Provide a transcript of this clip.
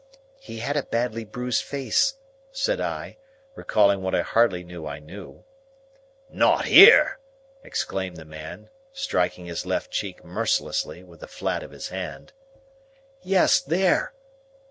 "He had a badly bruised face," said I, recalling what I hardly knew I knew. "Not here?" exclaimed the man, striking his left cheek mercilessly, with the flat of his hand. "Yes, there!"